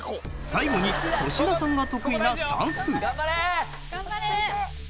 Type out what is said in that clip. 最後に粗品さんが得意な算数。